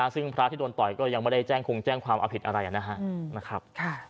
ซึ่งพระที่โดนต่อยก็ยังไม่ได้แจ้งคงแจ้งความเอาผิดอะไรนะครับ